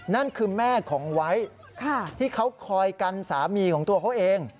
นั่นคือแม่ของไว้ที่เขาคอยกันสามีของตัวเขาเอง